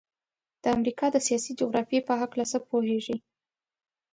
د امریکا د سیاسي جغرافیې په هلکه څه پوهیږئ؟